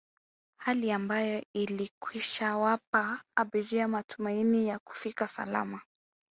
Hali ambayo ilikwishawapa abiria matumaini ya kufika salama